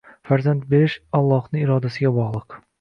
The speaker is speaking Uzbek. Farzand berish Allohning irodasiga bog‘liq.